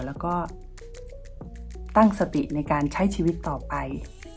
แล้วก็ตั้งสติในการใช้ชีวิตต่อไป